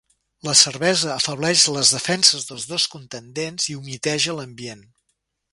La cervesa afebleix les defenses dels dos contendents i humiteja l'ambient.